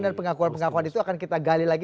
dan pengakuan pengakuan itu akan kita gali lagi